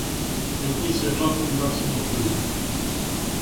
Vypni světla v obývacím pokoji.